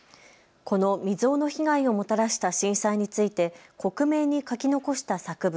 この未曽有の被害をもたらした震災について克明に書き残した作文